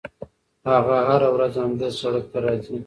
هغه هره ورځ همدې سړک ته راځي.